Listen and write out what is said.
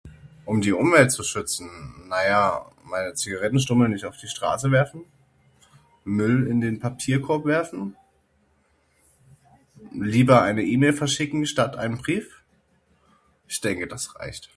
Um die Umwelt zu schützen? Naja meine Zigarettenstummel nicht auf die Straße werfen? Müll in den Papierkorb werfen? Lieber eine E-Mail verschicken statt einen Brief? Ich denke das reicht.